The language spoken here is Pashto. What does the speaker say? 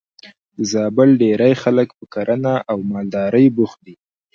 د زابل ډېری خلک په کرنه او مالدارۍ بوخت دي.